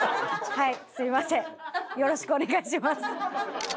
はい。